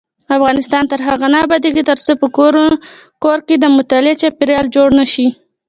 افغانستان تر هغو نه ابادیږي، ترڅو په کور کې د مطالعې چاپیریال جوړ نشي.